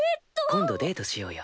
今度デートしようよ。